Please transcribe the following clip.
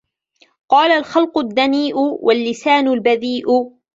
قَالَ الْخُلُقُ الدَّنِيُّ وَاللِّسَانُ الْبَذِيُّ